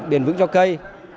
bền vững cho cây